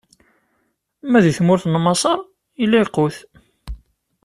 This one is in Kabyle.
Ma di tmurt n Maṣer, illa lqut.